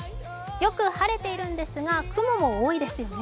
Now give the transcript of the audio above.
よく晴れているんですが、雲も多いですよね。